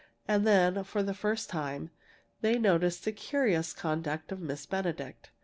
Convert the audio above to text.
And then, for the first time, they noticed the curious conduct of Miss Benedict.